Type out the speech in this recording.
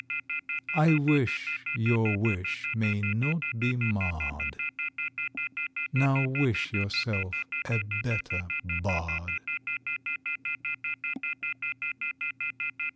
I wish your wish may not be marr'd;— Now wish yourself a better Bard!